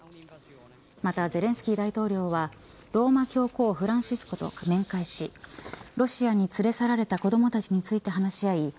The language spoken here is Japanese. またゼレンスキー大統領はローマ教皇フランシスコと面会しロシアに連れ去られた子どもたちについて話し合い